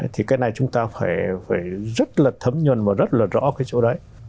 thì cái này chúng ta phải rất là thấm nhuận và rất là rõ cái chỗ đấy